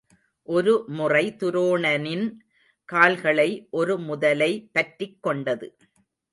ஒரு முறை துரோணனின் கால்களை ஒரு முதலை பற்றிக் கொண்டது.